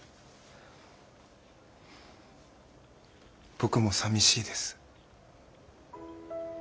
僕もさみしいです。